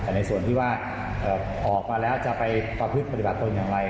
แต่ในส่วนที่ว่าออกมาแล้วจะไปประพฤติปฏิบัติตนอย่างไร